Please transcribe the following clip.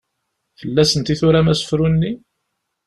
Fell-asent i turam asefru-nni?